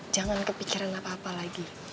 jangan kepikiran apa apa lagi